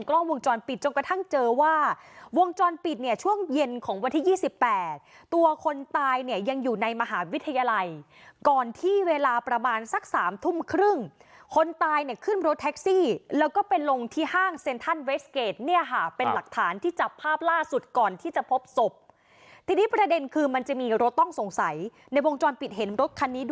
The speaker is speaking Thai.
กล้องวงจรปิดจนกระทั่งเจอว่าวงจรปิดเนี่ยช่วงเย็นของวันที่ยี่สิบแปดตัวคนตายเนี่ยยังอยู่ในมหาวิทยาลัยก่อนที่เวลาประมาณสักสามทุ่มครึ่งคนตายเนี่ยขึ้นรถแท็กซี่แล้วก็ไปลงที่ห้างเซ็นทันเวสเกจเนี่ยค่ะเป็นหลักฐานที่จับภาพล่าสุดก่อนที่จะพบศพทีนี้ประเด็นคือมันจะมีรถต้องสงสัยในวงจรปิดเห็นรถคันนี้ด